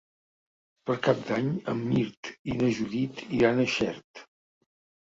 Per Cap d'Any en Mirt i na Judit iran a Xert.